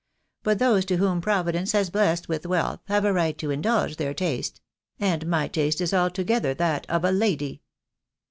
But those whom Pro vidence has blessed with wealth, have a right to indulge their taste, .... and my taste is altogether that of a lady."